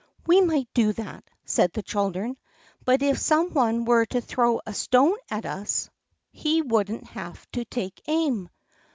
"We might do that," said the children; "but if some one were to throw a stone at us, he wouldn't have to take aim."